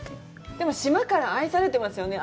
でも、島から愛されてますよね。